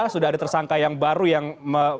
sudah ada tersangka yang baru yang apa tersangka